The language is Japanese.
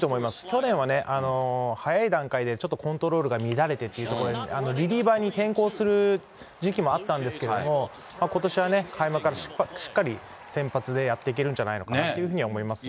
去年はね、早い段階でちょっとコントロールが乱れてというところで、リリーバーに変更する時期もあったんですけれども、ことしは開幕からしっかり先発でやっていけるんじゃないかというふうに思いますね。